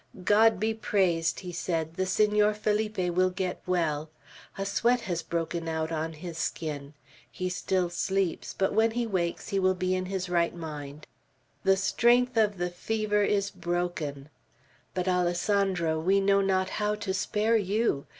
"God be praised," he said, "the Senor Felipe will get well. A sweat has broken out on his skin; he still sleeps, but when he wakes he will be in his right mind. The strength of the fever is broken. But, Alessandro, we know not how to spare you.